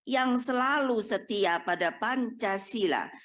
yang selalu setia pada pancasila